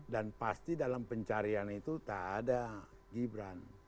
dan pasti dalam pencarian itu tak ada gibran